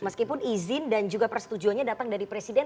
meskipun izin dan juga persetujuannya datang dari presiden